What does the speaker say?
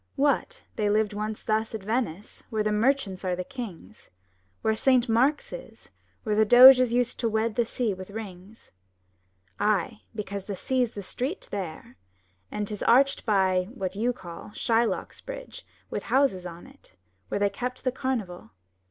What! they lived once thus at Venice where the merchants were the kings, Where Saint Mark's is, where the Doges used to wed the sea with rings? Ay, because the sea's the street there; and 'tis arched by — what you call — Shylock's bridge with houses on it, where they kept the carnival.